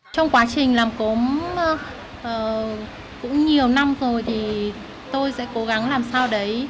trong quá trình làm cốm cũng nhiều năm rồi thì tôi sẽ cố gắng làm sao đấy